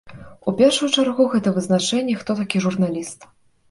У першую чаргу, гэта вызначэнне, хто такі журналіст.